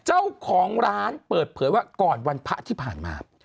เจ้าของร้านเปิดเผยว่าก่อนวันพระที่ผ่านมา